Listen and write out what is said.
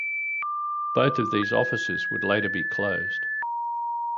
Both of these offices would later be closed.